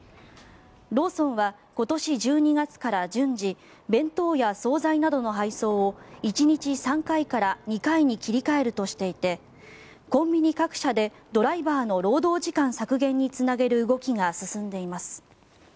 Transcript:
ローソンは今年１２月から順次弁当や総菜などの配送を１日３回から２回に切り替えるとしていてコンビニ各社でドライバーの労働時間削減につなげる動きが進んでいます。